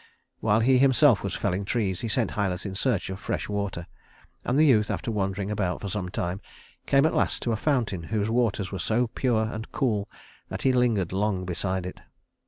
While he himself was felling trees, he sent Hylas in search of fresh water; and the youth, after wandering about for some time, came at last to a fountain whose waters were so pure and cool that he lingered long beside it.